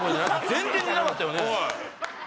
全然似てなかったよね。